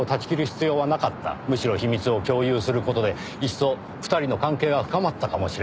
むしろ秘密を共有する事で一層２人の関係は深まったかもしれません。